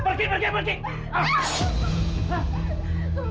bagaimana aku segala